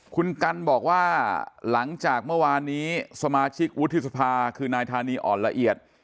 คุณกันบอกว่าหลังจากเมื่อวานนี้สมาชิกวุฒิสภาคือนายธานีอ่อนละเอียด